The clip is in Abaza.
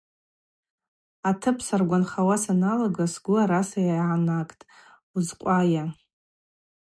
Атып саргванхауа саналага сгвы араса йгӏанагтӏ: Уызкъвайа?